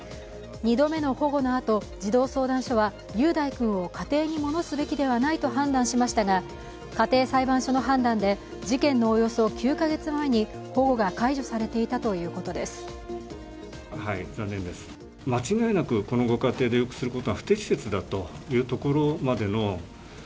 ２度目の保護のあと、児童相談所は雄大君を家庭に戻すべきでないと判断しましたが家庭裁判所の判断で事件のおよそ９カ月前に、保護が解除されていたということです。